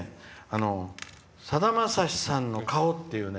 さだまさしさんの顔っていうね。